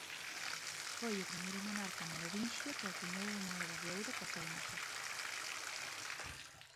Foi o primeiro monarca merovinxio que acuñou moeda de ouro coa súa imaxe.